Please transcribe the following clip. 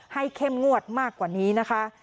เข้มงวดมากกว่านี้นะคะ